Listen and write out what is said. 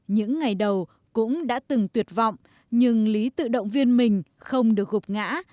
những ngày đầu cũng đã từng tuyệt vọng nhưng lý tự động viên mình không được gộp ngã